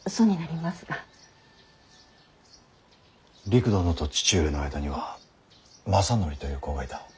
りく殿と父上の間には政範という子がいた。